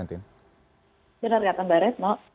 benar kata mbak retno